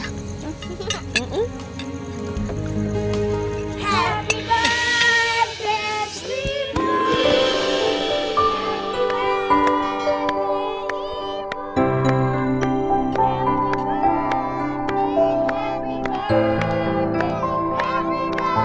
sampai jumpa lagi